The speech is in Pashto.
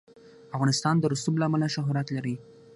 افغانستان د رسوب له امله شهرت لري.